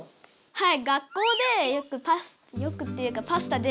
はい。